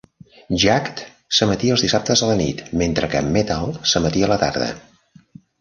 Jakked s'emetia els dissabtes a la nit, mentre que Metal s'emetia a la tarda.